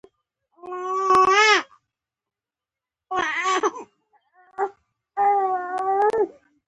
دریم لوست د ملي یووالي ارزښت او اړتیا په اړه دی.